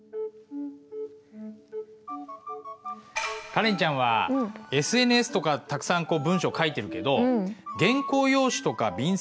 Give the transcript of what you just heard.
カレンちゃんはＳＮＳとかたくさんこう文章書いてるけどある？